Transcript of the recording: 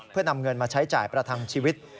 เพื่อนำเงินมาใช้จ่ายประทังชีวิต